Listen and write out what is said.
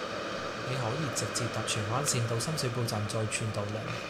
你可以直接搭荃灣綫到深水埗站再轉渡輪